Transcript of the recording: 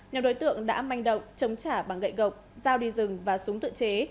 nhóm đối tượng đã manh động chống trả bằng gậy gọc giao đi rừng và súng tự chế